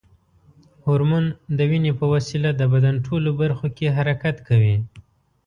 هورمون د وینې په وسیله د بدن ټولو برخو کې حرکت کوي.